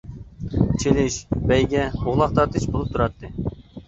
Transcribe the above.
چېلىش، بەيگە، ئوغلاق تارتىش بولۇپ تۇراتتى.